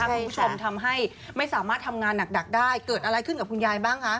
คุณผู้ชมทำให้ไม่สามารถทำงานหนักได้เกิดอะไรขึ้นกับคุณยายบ้างคะ